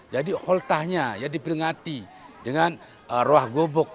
jadi khultahnya ya diperingati dengan roh kubuk